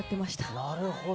なるほど。